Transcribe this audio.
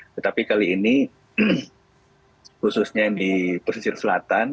tetapi kali ini khususnya di pesisir selatan